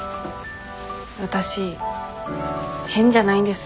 わたし変じゃないんです。